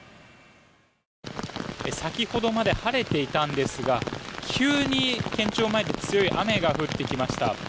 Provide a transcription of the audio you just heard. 先ほどまで晴れていたんですが急に県庁前に強い雨が降ってきました。